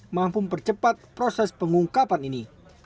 mampu mempercepat proses pengungkapan ini